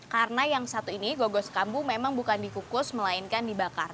karena yang satu ini gogos kambu memang bukan dikukus melainkan dibakar